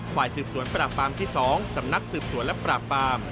ฝ่ายสืบสวนปราบปรามที่๒สำนักสืบสวนและปราบปาม